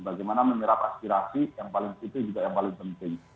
bagaimana menyerap aspirasi itu juga yang paling penting